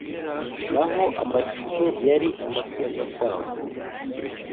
naho amacumu yari amatwi y'agakwavu.